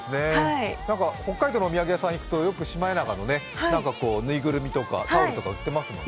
北海道のお土産屋さんいくとシマエナガのお土産とかタオルとか売ってますもんね。